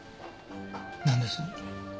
なんです？